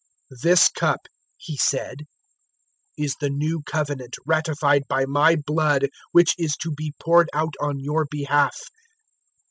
"This cup," He said, "is the new Covenant ratified by my blood which is to be poured out on your behalf.